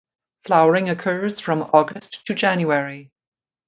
Flowering occurs from August to January.